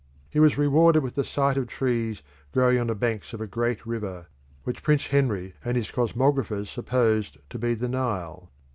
He was rewarded with the sight of trees growing on the banks of a great river, which Prince Henry and his cosmographers supposed to be the Nile.